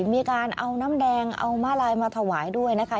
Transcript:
มีการเอาน้ำแดงเอามาลายมาถวายด้วยนะคะ